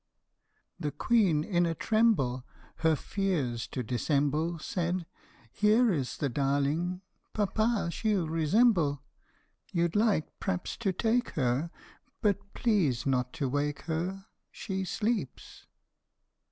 The Queen, in a tremble, Her fears to dissemble, Said, '; Here is the darling papa she'll resemble. You 'd like, p'rhaps, to take her, But please not to wake her, She sleeps."